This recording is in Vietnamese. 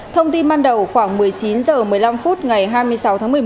thông tin ban đầu khoảng một mươi chín h một mươi năm phút ngày hai mươi sáu tháng một mươi một